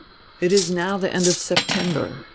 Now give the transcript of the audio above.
It is now the end of September.